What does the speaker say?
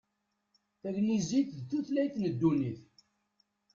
Tagnizit d tutlayt n ddunit.